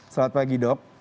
selamat pagi dok